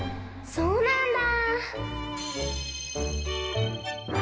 そうなんだ。